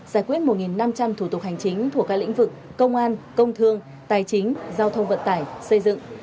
giải quyết một năm trăm linh thủ tục hành chính thuộc các lĩnh vực công an công thương tài chính giao thông vận tải xây dựng